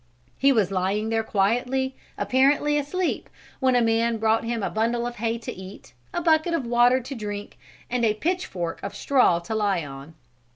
He was lying there quietly, apparently asleep, when a man brought him a bundle of hay to eat, a bucket of water to drink and a pitch fork of straw to lie on.